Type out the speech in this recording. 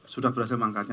sudah berhasil mengangkatnya